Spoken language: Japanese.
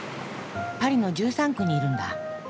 パリの１３区にいるんだ。